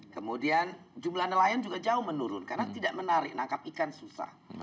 kemudian jumlah nelayan juga jauh menurun karena tidak menarik nangkap ikan susah